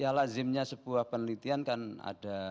ya lazimnya sebuah penelitian kan ada